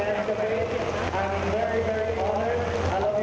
หวังหวังในที่หลังจากเน่